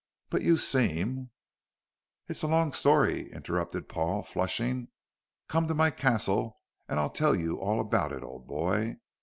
"But you seem " "It's a long story," interrupted Paul flushing. "Come to my castle and I'll tell you all about it, old boy.